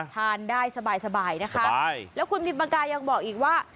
ทานได้สบายนะคะแล้วคุณพิมปากกายังบอกอีกว่า